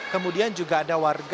kemudian juga ada warga